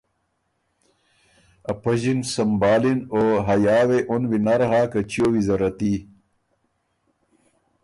ا پݫی ن سمبهال اِن او حیا وې اُن وینر هۀ که چیو ویزره تي۔